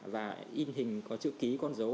và in hình có chữ ký con dấu